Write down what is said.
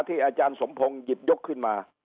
อาจารย์สมพงศ์หยิบยกขึ้นมา